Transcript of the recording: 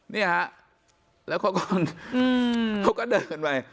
เนี่ยฮะแล้วเขาก็อืมเขาก็เดินไป